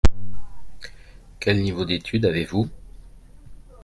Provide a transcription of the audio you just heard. Quel niveau d’étude avez-vous ?